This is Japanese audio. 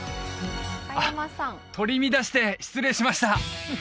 あっ取り乱して失礼しました